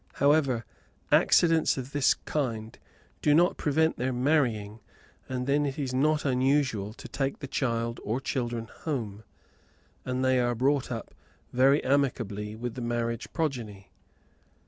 However, accidents of this kind do not prevent their marrying, and then it is not unusual to take the child or children home, and they are brought up very amicably with the marriage progeny.